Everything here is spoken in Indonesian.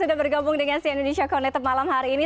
sudah bergabung dengan sian indonesia konektif malam hari ini